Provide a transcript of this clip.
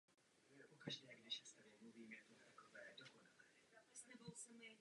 Alfa je na jeho západním konci.